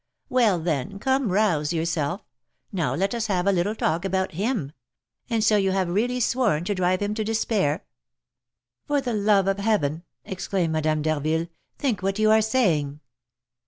"Well, then, come, rouse yourself; now, let us have a little talk about him: and so you have really sworn to drive him to despair?" "For the love of heaven," exclaimed Madame d'Harville, "think what you are saying!"